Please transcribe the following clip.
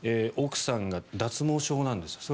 奥さんが脱毛症なんです。